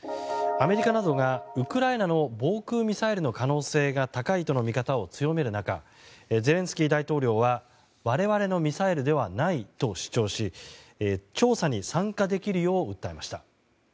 アメリカなどがウクライナの防空ミサイルの可能性が高いとの見方を強める中ゼレンスキー大統領は我々のミサイルではないと主張し調査に参加できるよう訴えました。